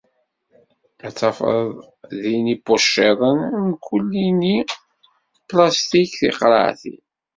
Ad tafeḍ din ipuciḍen mkul ini, plastik, tiqraɛtin.